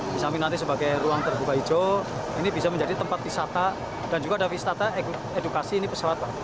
bisa nanti sebagai ruang terbuka hijau ini bisa menjadi tempat wisata dan juga ada wisata edukasi pesawat